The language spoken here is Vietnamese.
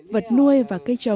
vật nuôi và cây trồng